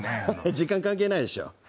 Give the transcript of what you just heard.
時間関係ないっしょ。